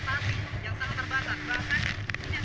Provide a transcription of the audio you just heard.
tapi ini geoprosional dan juga pilihan mudah transportasi